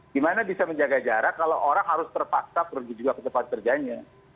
gimana bisa menjaga jarak kalau orang harus terpaksa pergi juga ke tempat kerjanya